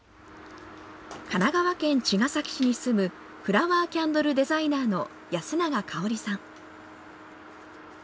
神奈川県茅ヶ崎市に住む、フラワーキャンドルデザイナーの安永かおりさん。